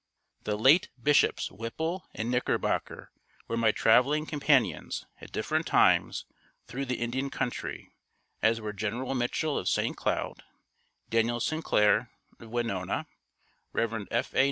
The late Bishops Whipple and Knickerbocker were my traveling companions at different times thru the Indian country, as were General Mitchell of St. Cloud, Daniel Sinclair of Winona, Rev. F. A.